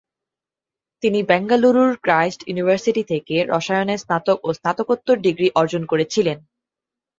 তিনি বেঙ্গালুরুর Christ University থেকে রসায়নে স্নাতক এবং স্নাতকোত্তর ডিগ্রি অর্জন করেছিলেন।